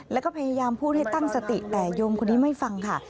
แล้วก็พยายามพูดให้ตั้งสติแต่โยมคนนี้ไม่ฟังค่ะ